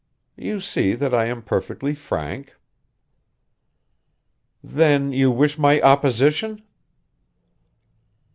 You see that I am perfectly frank." "Then you wish my opposition?"